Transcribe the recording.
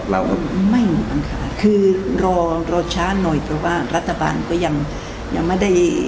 เราไม่มีปัญหาคือรอรอช้าหน่อยเพราะว่ารัฐบาลก็ยังยังไม่ได้